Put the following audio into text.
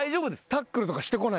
タックルとかしてこない？